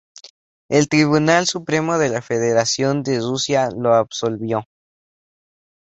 El Tribunal Supremo de la Federación de Rusia lo absolvió.